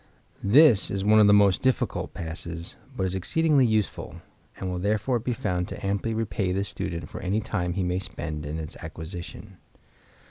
—This is one of the most difficult passes, but is exceedingly useful, and will therefore be found to amply repay the student for any time he may spend in its acquisition.